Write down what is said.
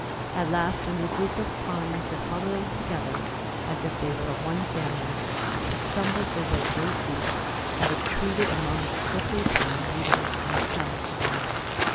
At last, under a group of pines that huddled together as if they were of one family, she stumbled over a great root that obtruded among the slippery pine needles and fell headlong.